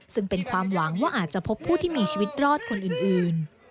ซึ่งเป็นความหวังว่าอาจจะพบผู้ที่มีชีวิตรอดคนอื่น